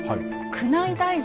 宮内大臣。